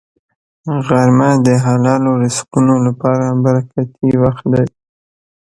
غرمه د حلالو رزقونو لپاره برکتي وخت دی